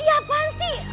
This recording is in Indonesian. ya apaan sih